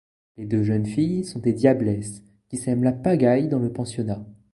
Les deux jeunes filles sont des diablesses qui sèment la pagaille dans le pensionnat.